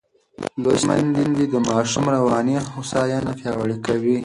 لوستې میندې د ماشوم رواني هوساینه پیاوړې کوي.